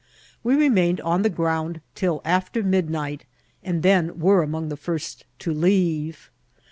We remained on the ground till after midnight, and then were among the first to leave.